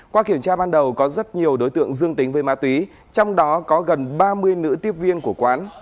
qua kiểm tra ban đầu có rất nhiều đối tượng dương tính với ma túy trong đó có gần ba mươi nữ tiếp viên của quán